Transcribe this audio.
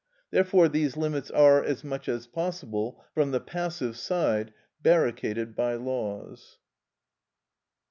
Therefore these limits are, as much as possible, from the passive side, barricaded by laws.